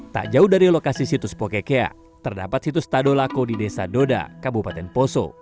tak jauh dari lokasi situs pokekea terdapat situs tadolako di desa doda kabupaten poso